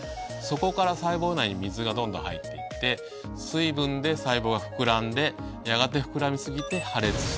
そこから細胞内に水がどんどん入って行って水分で細胞が膨らんでやがて膨らみ過ぎて。